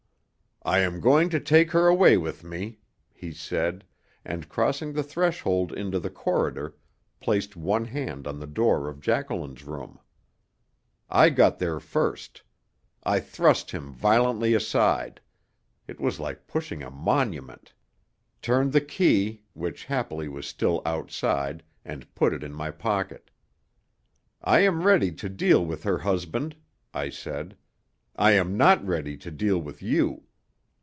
"I am going to take her away with me," he said, and crossing the threshold into the corridor, placed one hand on the door of Jacqueline's room. I got there first. I thrust him violently aside it was like pushing a monument; turned the key, which happily was still outside, and put it in my pocket. "I am ready to deal with her husband," I said. "I am not ready to deal with you.